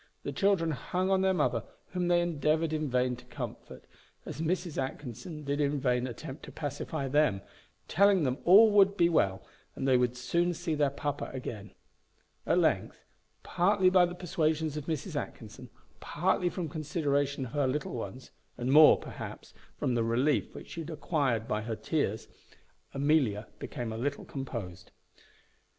The children hung on their mother, whom they endeavoured in vain to comfort, as Mrs. Atkinson did in vain attempt to pacify them, telling them all would be well, and they would soon see their papa again. At length, partly by the persuasions of Mrs. Atkinson, partly from consideration of her little ones, and more, perhaps, from the relief which she had acquired by her tears, Amelia became a little composed.